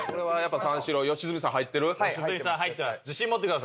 三四郎良純さん入ってる？